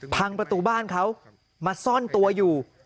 พังประตูบ้านเขามาซ่อนตัวอยู่